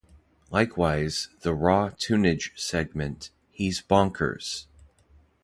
Likewise, the "Raw Toonage" segment "He's Bonkers!